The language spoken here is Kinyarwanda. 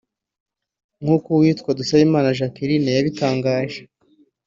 nk’uko uwitwa Dusabimana Jacqueline yabitangaje